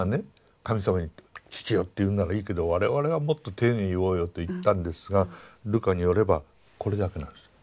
神様に「父よ」って言うんならいいけど我々はもっと丁寧に言おうよと言ったんですがルカによればこれだけなんです。